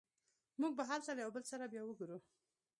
موږ به هلته له یو بل سره بیا وګورو